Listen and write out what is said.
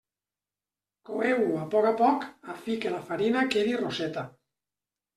Coeu-ho a poc a poc, a fi que la farina quedi rosseta.